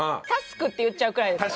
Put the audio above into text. タスクって言っちゃうくらい。